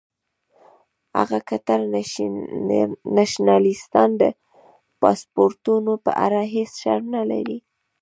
هغه کټر نیشنلستان چې د پاسپورټونو په اړه هیڅ شرم نه لري.